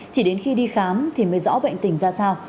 chỉ đến khi đi khám thì mới rõ bệnh tình ra sao